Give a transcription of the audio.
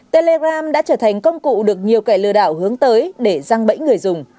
telegram đã trở thành công cụ được nhiều kẻ lừa đảo hướng tới để răng bẫy người dùng